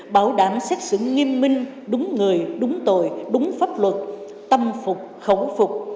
bảo đảm xét xử nghiêm minh đúng người đúng tội đúng pháp luật tâm phục khẩu phục